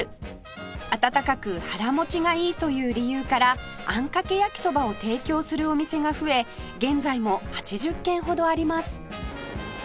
温かく腹持ちがいいという理由からあんかけ焼きそばを提供するお店が増え現在も８０軒ほどあります